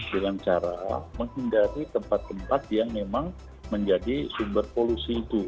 dengan cara menghindari tempat tempat yang memang menjadi sumber polusi itu